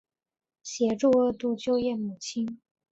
协助二度就业母亲